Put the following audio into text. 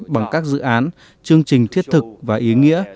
bằng các dự án chương trình thiết thực và ý nghĩa